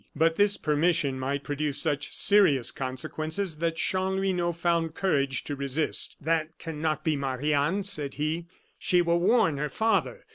But this permission might produce such serious consequences that Chanlouineau found courage to resist. "That cannot be, Marie Anne," said he; "she will warn her father.